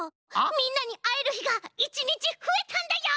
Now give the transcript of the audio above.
みんなにあえるひが１にちふえたんだよ！